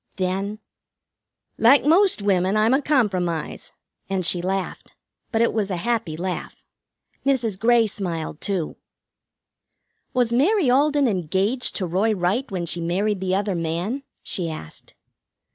Then: "Like most women, I'm a compromise," and she laughed. But it was a happy laugh. Mrs. Grey smiled too. "Was Mary Alden engaged to Roy Wright when she married the other man?" she asked.